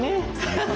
ハハハハ。